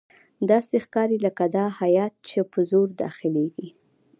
داسې ښکاري لکه دا هیات چې په زور داخليږي.